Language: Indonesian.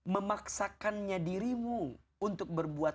memaksakannya dirimu untuk berbuat